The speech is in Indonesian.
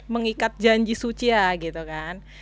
mengikat janji suci ya gitu kan